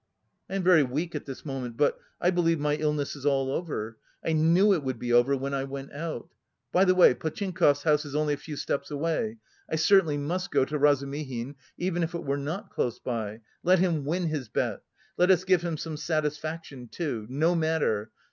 "I am very weak at this moment, but... I believe my illness is all over. I knew it would be over when I went out. By the way, Potchinkov's house is only a few steps away. I certainly must go to Razumihin even if it were not close by... let him win his bet! Let us give him some satisfaction, too no matter!